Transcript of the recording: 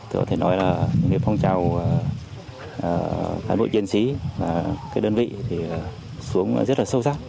tôi có thể nói là những phong trào cán bộ chiến sĩ và đơn vị xuống rất là sâu sắc